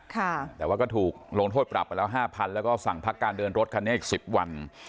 แต่ว่าก็ถูกลงโทษปรับไปแล้วห้าพันแล้วก็สั่งพักการเดินรถคันนี้อีกสิบวัน